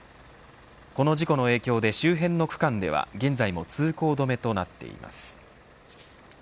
この事故の影響で周辺の区間では現在も通行止めとなっています。